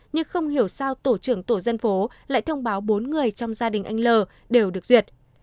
nhưng không hiểu sao tổ trưởng tổ dân phố lại thông báo bốn người trong gia đình anh l đều được duyệt